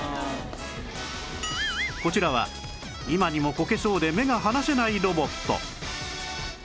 こちらは今にもコケそうで目が離せないロボット